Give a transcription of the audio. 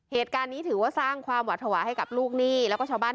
เหตุการณ์นี้ถือว่าสร้างความหวัดภาวะให้กับลูกหนี้แล้วก็ชาวบ้าน